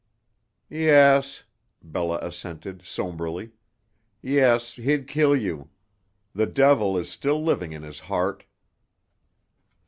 "Yes," Bella assented somberly; "yes, he'd kill you. The devil is still living in his heart."